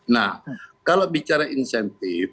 nah kalau bicara insentif